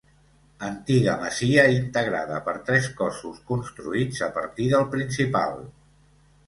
Antiga masia integrada per tres cossos construïts a partir del principal.